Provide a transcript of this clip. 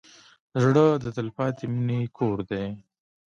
زړه د تلپاتې مینې کور دی.